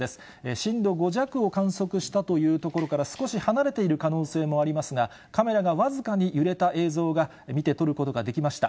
震度５弱を観測したという所から少し離れている可能性もありますが、カメラが僅かに揺れた映像が見て取ることができました。